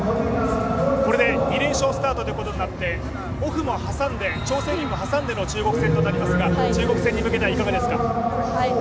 これで２連勝スタートということになってオフも挟んでの中国戦ですが、中国戦に向けてはいかがですか。